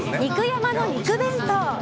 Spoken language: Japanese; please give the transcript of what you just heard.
山の肉弁当。